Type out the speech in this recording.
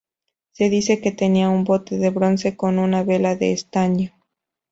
Se dice que tenía un bote de bronce con una vela de estaño.